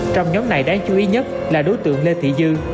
trong nhóm này đáng chú ý nhất là đối tượng lê thị dư